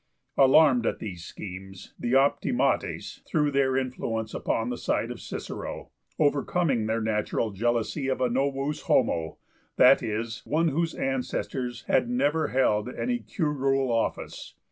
Alarmed at these schemes, the Optimates threw their influence upon the side of Cicero, overcoming their natural jealousy of a novus homo, that is, one whose ancestors had never held any curule office.